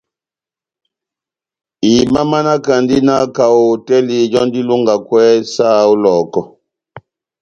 Imamanakandi na kaho hotɛli jɔ́ndi ilongakwɛ saha ó Lɔhɔkɔ.